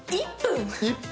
１分？